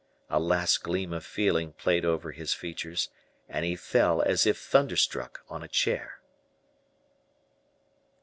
A last gleam of feeling played over his features, and he fell, as if thunder struck, on a chair.